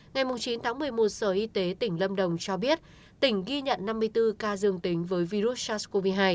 ngày chín tháng một mươi một sở y tế tỉnh lâm đồng cho biết tỉnh ghi nhận năm mươi bốn ca dương tính với virus sars cov hai